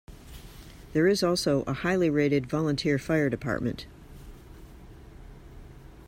There is also a highly rated volunteer fire department.